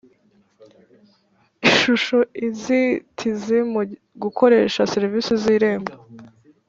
Ishusho Inzitizi mu gukoresha serivisi z irembo